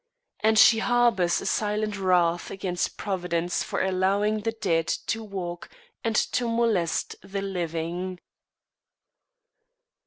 And she harbours a silent wrath against Providence for allowing the dead to walk and to molest the living.